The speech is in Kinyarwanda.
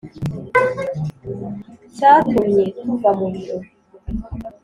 cyatumye tuva mu biro